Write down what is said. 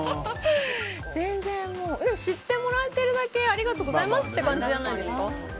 でも知ってもらっているだけありがとうございますって感じじゃないですか。